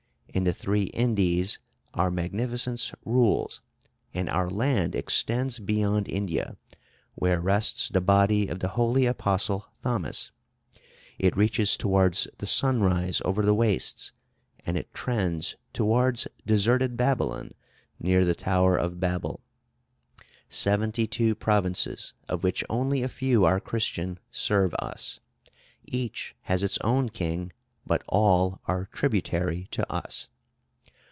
In the three Indies our Magnificence rules, and our land extends beyond India, where rests the body of the holy Apostle Thomas; it reaches towards the sunrise over the wastes, and it trends towards deserted Babylon near the tower of Babel. Seventy two provinces, of which only a few are Christian, serve us. Each has its own king, but all are tributary to us.